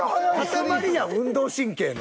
塊やん運動神経の。